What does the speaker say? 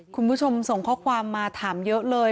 คุณผู้ชมส่งข้อความมาถามเยอะเลย